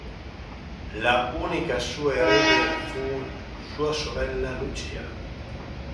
La sua unica erede fu sua sorella Lucia.